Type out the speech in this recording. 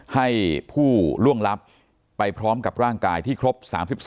ให้ผู้ล่วงลับไปพร้อมกับร่างกายที่ครบ๓๒